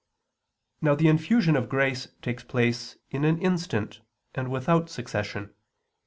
Now the infusion of grace takes place in an instant and without succession.